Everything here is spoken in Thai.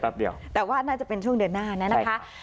เดียวแต่ว่าน่าจะเป็นช่วงเดือนหน้านั้นนะคะ